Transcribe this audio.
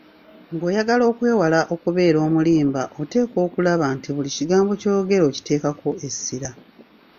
Ng'oyagala okwewala okubeera omulimba oteekwa okulaba nti buli kigambo ky'oyogera okiteekako essira.